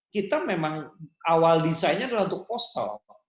kita memang awal desainnya adalah untuk postal